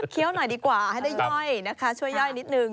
หน่อยดีกว่าให้ได้ย่อยนะคะช่วยย่อยนิดนึง